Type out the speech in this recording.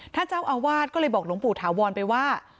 เจ้าอาวาสก็เลยบอกหลวงปู่ถาวรไปว่า